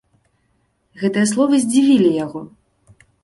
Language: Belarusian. Гэтыя словы здзівілі яго.